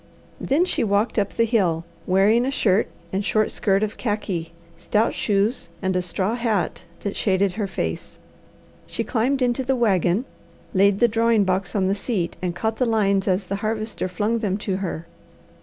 Then she walked up the hill, wearing a shirt and short skirt of khaki, stout shoes, and a straw hat that shaded her face. She climbed into the wagon, laid the drawing box on the seat, and caught the lines as the Harvester flung them to her.